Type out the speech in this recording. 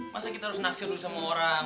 masa kita harus naksir dulu sama orang